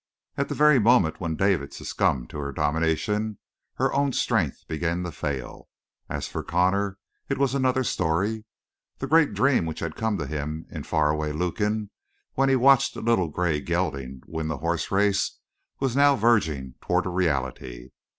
At the very moment when David succumbed to her domination, her own strength began to fail. As for Connor, it was another story. The great dream which had come to him in far away Lukin, when he watched the little gray gelding win the horse race, was now verging toward a reality.